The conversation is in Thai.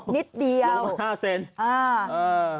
นิดเดียวลงมา๕เซนติเมตร